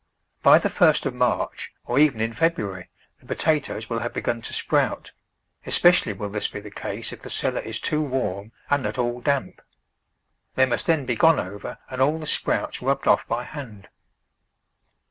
By the first of March, or even in February, the potatoes will have begun to sprout; especially will this be the case if the cellar is too warm and at all damp. They must then be gone over and all the sprouts rubbed off by hand.